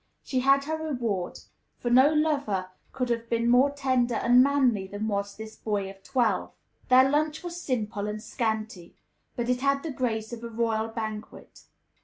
She had her reward; for no lover could have been more tender and manly than was this boy of twelve. Their lunch was simple and scanty; but it had the grace of a royal banquet.